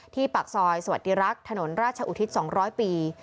ปากซอยสวัสดีรักษ์ถนนราชอุทิศ๒๐๐ปี